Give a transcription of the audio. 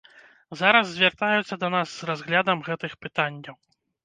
Зараз звяртаюцца да нас з разглядам гэтых пытанняў.